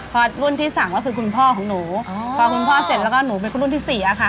พอรุ่นที่สั่งก็คือคุณพ่อของหนูพอคุณพ่อเสร็จแล้วก็หนูเป็นคนรุ่นที่สี่อะค่ะ